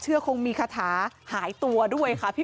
เจ้าแม่น้ำเจ้าแม่น้ำ